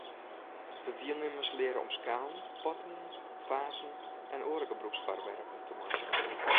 De dielnimmers leare om skalen, potten, fazen en oare gebrûksfoarwerpen te meitsjen.